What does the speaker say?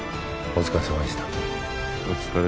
お疲れさまでした。